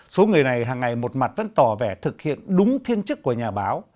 số người này hàng ngày một mặt vẫn tỏ vẻ thực hiện đúng thiên chức của nhà báo